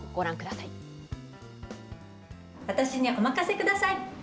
私にお任せください。